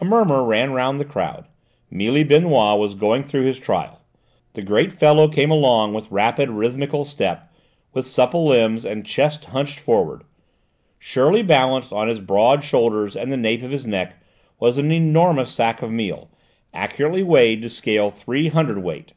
A murmur ran round the crowd. Mealy Benoît was going through his trial. The great fellow came along with rapid, rhythmical step, with supple limbs and chest hunched forward. Surely balanced on his broad shoulders and the nape of his neck was an enormous sack of meal, accurately weighed to scale three hundredweight.